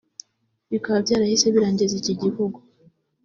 bikaba byarahise birangiza iki gihugu